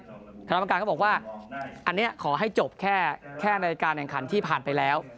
คณะกรรมการก็บอกว่าอันนี้ขอให้จบแค่ฯแค่ฯภารกิจที่ผ่านไปแล้ว